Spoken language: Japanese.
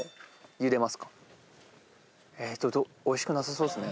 おいしくなさそうですね。